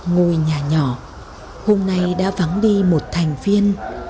ngồi nhà nhỏ hôm nay đã vắng đi một thành viên